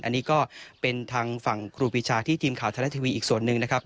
อันนี้ก็เป็นทางฝั่งครูปีชาที่ทีมข่าวไทยรัฐทีวีอีกส่วนหนึ่งนะครับ